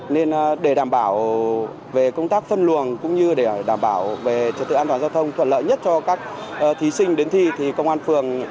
nên để đảm bảo về công tác phân luồng cũng như để đảm bảo về trật tự an toàn giao thông thuận lợi nhất cho các thí sinh đến thi thì công an phường